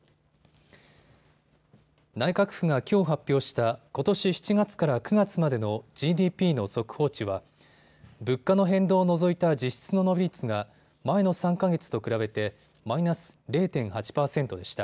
内閣府がきょう発表したことし７月から９月までのＧＤＰの速報値は物価の変動を除いた実質の伸び率が前の３か月と比べてマイナス０．８％でした。